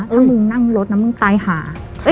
ถ้ามึงนั่งรถนะมึงตายหา